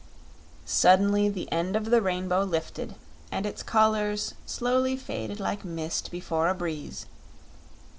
Suddenly, the end of the rainbow lifted and its colors slowly faded like mist before a breeze.